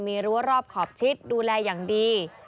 มีรั้วรอบขอบชิดดูแลอย่างดี